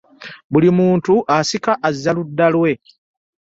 Buli muntu asika aza ku ludda lwe .